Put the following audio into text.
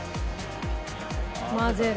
混ぜる。